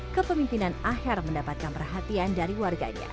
kepemimpinan aher mendapatkan perhatian dari warganya